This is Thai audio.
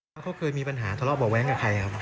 แล้วเขาเคยมีปัญหาทะเลาะเบาะแว้งกับใครครับ